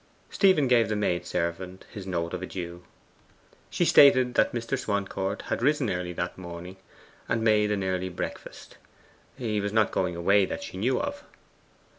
Stephen gave the maid servant his note of adieu. She stated that Mr. Swancourt had risen early that morning, and made an early breakfast. He was not going away that she knew of.